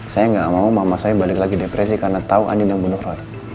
saya gak mau mama saya balik lagi depresi karena tau andin yang bunuh ren